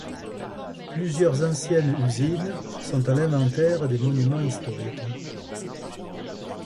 Plusieurs anciennes usines sont à l'inventaire des Monuments historiques.